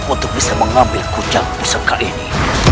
untuk bisa mengambil kucang di seka ini